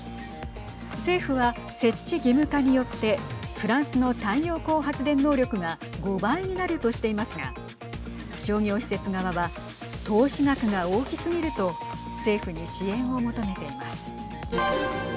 政府は設置義務化によってフランスの太陽光発電能力が５倍になるとしていますが商業施設側は投資額が大きすぎると政府に支援を求めています。